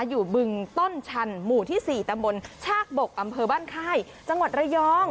บึงต้นชันหมู่ที่๔ตำบลชากบกอำเภอบ้านค่ายจังหวัดระยอง